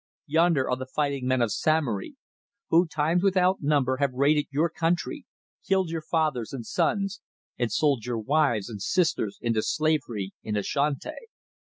Yonder are the fighting men of Samory, who times without number have raided your country, killed your fathers and sons, and sold your wives and sisters into slavery in Ashanti.